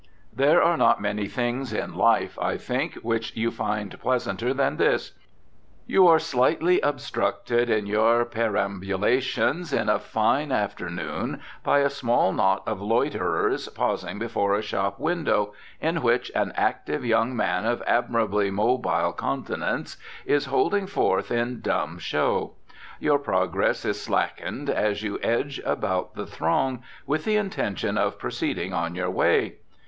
There are not many things in life, I think, which you find pleasanter than this: You are slightly obstructed in your perambulations on a fine afternoon by a small knot of loiterers pausing before a shop window in which an active young man of admirably mobile countenance is holding forth in dumb show. Your progress is slackened as you edge about the throng with the intention of proceeding on your way.